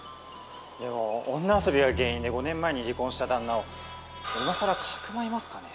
でも女遊びが原因で５年前に離婚した旦那を今さらかくまいますかね？